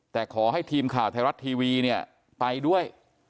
แต่ขอให้ทีมข่าวไทยรัฐทีวีเนี่ยไปด้วย